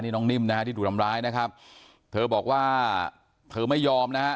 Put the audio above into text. นี่น้องนิ่มนะฮะที่ถูกทำร้ายนะครับเธอบอกว่าเธอไม่ยอมนะฮะ